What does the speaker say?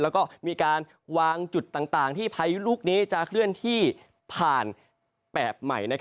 แล้วก็มีการวางจุดต่างที่พายุลูกนี้จะเคลื่อนที่ผ่านแบบใหม่